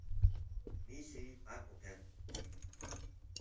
mishi paqo kan